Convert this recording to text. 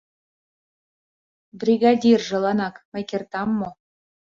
Бригадиржыланак мый кертам мо?